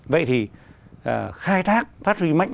vậy thì khai thác phát huy mạnh mẽ